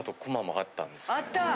あった。